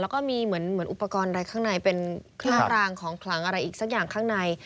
แล้วก็มีเหมือนอุปกรณ์อะไรข้างในเป็นเครื่องรางของขลังอะไรอีกสักอย่างข้างใน